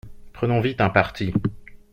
Prenons vite un parti.